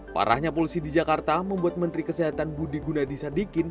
parahnya polusi di jakarta membuat menteri kesehatan budi gunadisadikin